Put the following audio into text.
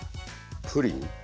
プリン？